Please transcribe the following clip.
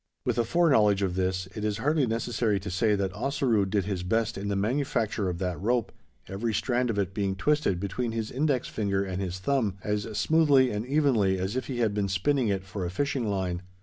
With a foreknowledge of this, it is hardly necessary to say that Ossaroo did his best in the manufacture of that rope every strand of it being twisted between his index finger and his thumb, as smoothly and evenly as if he had been spinning it for a fishing line.